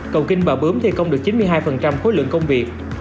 cầu kinh bà bướm thi công được chín mươi hai khối lượng công việc